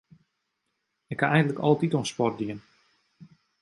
Ik ha eigentlik altyd oan sport dien.